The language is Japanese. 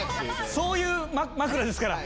そういう枕ですから。